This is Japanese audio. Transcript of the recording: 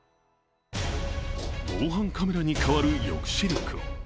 防犯カメラに代わる抑止力を。